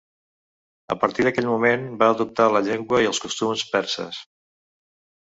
A partir d'aquell moment van adoptar la llengua i els costums perses.